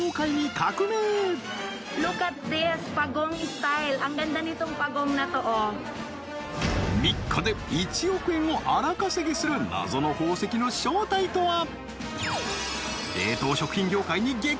すると３日で１億円を荒稼ぎする謎の宝石の正体とは！？